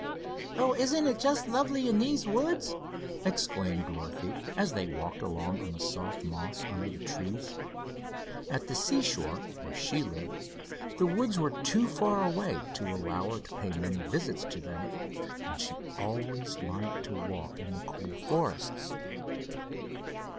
"Oh, isn't it just lovely in these woods!" exclaimed Dorothy, as they walked along on the soft moss under the trees. At the seashore, where she lived, the woods were too far away to allow her to pay many visits to them, and she always liked to walk in the cool forests.